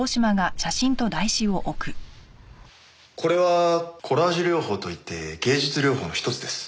これはコラージュ療法といって芸術療法の一つです。